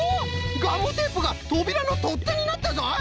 ガムテープがとびらのとってになったぞい！